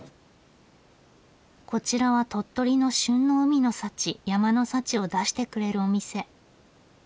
こちらは鳥取の旬の海の幸山の幸を出してくれるお店。